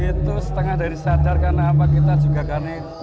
itu setengah dari sadar karena apa kita juga garing